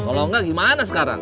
kalau enggak gimana sekarang